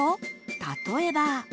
例えば。